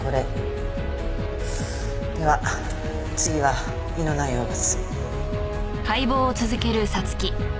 では次は胃の内容物。